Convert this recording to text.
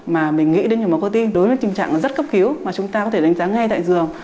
mà mình nghĩ đến nhà báo cơ tim đối với tình trạng rất cấp cứu mà chúng ta có thể đánh giá ngay tại giường